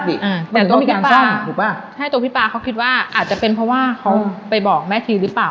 แต่ตัวพี่ปลาเขาคิดว่าอาจจะเป็นเพราะว่าเขาไปบอกแม่ชีหรือเปล่า